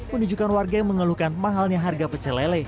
menunjukkan warga yang mengeluhkan mahalnya harga pecelele